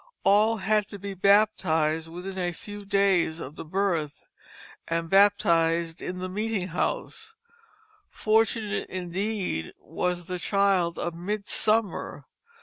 All had to be baptized within a few days of birth, and baptized in the meeting house; fortunate, indeed, was the child of midsummer.